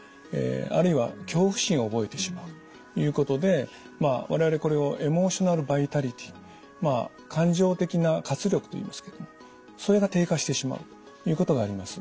あるいは恐怖心を覚えてしまうということで我々これをエモーショナルバイタリティー感情的な活力といいますけどもそれが低下してしまうということがあります。